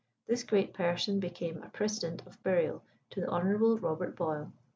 This great person became a precedent of burial to the Hon. Robert Boyle.